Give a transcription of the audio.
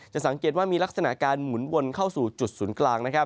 สังเกตว่ามีลักษณะการหมุนวนเข้าสู่จุดศูนย์กลาง